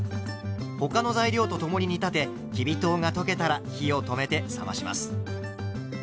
他の材料と共に煮立てきび糖が溶けたら火を止めて冷まします。